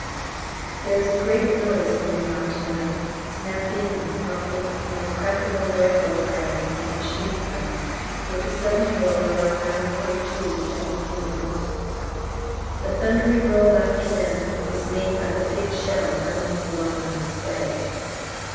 There is a great noise going on to night, snapping and popping, and crackling of rifle firing and machine guns, with the sudden roar of our 9.2's every few minutes. The thundery roll after them is made by the big shell bounding along on its way.